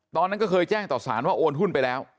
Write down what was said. ตอนนั้นก็เคยแจ้งต่อสารว่าโอนหุ้นไปแล้ว